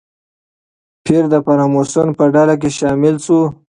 پییر د فراماسون په ډله کې شامل شو.